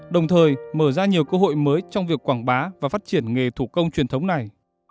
đồng thời mở ra nhiều cơ hội mới trong việc quảng bá và phát triển nghề thủ công truyền thống này